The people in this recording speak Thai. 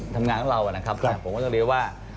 ทำงานทำงานเรานะครับ